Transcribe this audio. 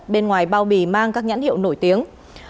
bên ngoài bao bì mang các nhãn hiệu nổi tiếng